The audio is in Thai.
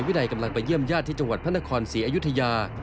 วินัยกำลังไปเยี่ยมญาติที่จังหวัดพระนครศรีอยุธยา